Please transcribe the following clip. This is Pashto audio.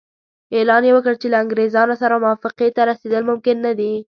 اعلان یې وکړ چې له انګریزانو سره موافقې ته رسېدل ممکن نه دي.